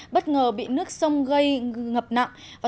bất ngờ bị nước sông gây ngập nặng